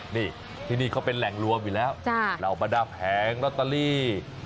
นี่ที่นี่เขาเป็นแหล่งรวมอยู่แล้วเหล่าบรรดาแผงลอตเตอรี่